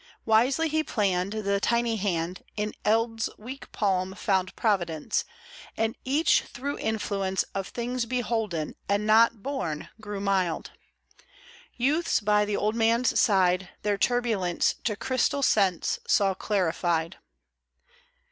Wisely he planned ; The tiny hand In eld*s weak palm found providence, And each through influence Of things beholden and not borne grew mild ; Youths by the old man's side Their turbulence To crystal sense Saw clarified.